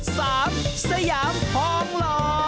สามสยามทองหล่อ